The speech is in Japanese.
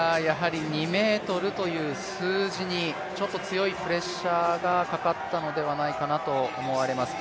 ２ｍという数字にちょっと強いプレッシャーがかかったんじゃないかと思います。